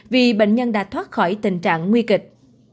vì bệnh nhân đã thoát khỏi tình trạng nguy kịch